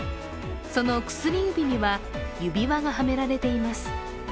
その薬指には指輪がはめられています。